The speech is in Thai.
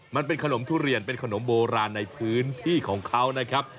มันเป็นขนมทุเรียนเป็นขนมโบราณในพื้นที่ของเขานะครับ